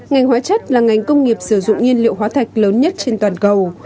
ngành hóa chất là ngành công nghiệp sử dụng nhiên liệu hóa thạch lớn nhất trên toàn cầu